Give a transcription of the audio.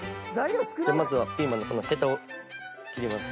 じゃあまずはピーマンのこのへたを切ります。